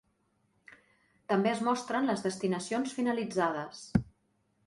També es mostren les destinacions finalitzades.